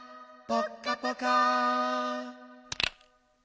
ぽっかぽか。